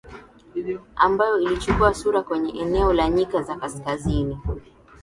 ambayo ilichukua sura kwenye eneo la nyika za Kaskazini